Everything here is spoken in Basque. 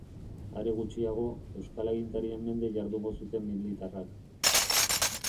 Are gutxiago, euskal agintarien mende jardungo zuten militarrak.